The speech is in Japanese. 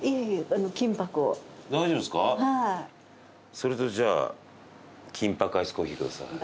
それとじゃあ金箔アイスコーヒーください。